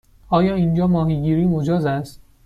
آیا اینجا ماهیگیری مجاز است؟